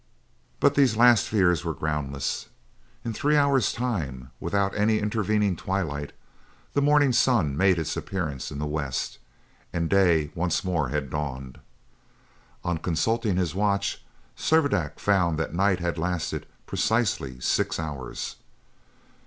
But these last fears were groundless. In three hours' time, without any intervening twilight, the morning sun made its appearance in the west, and day once more had dawned. On consulting his watch, Servadac found that night had lasted precisely six hours.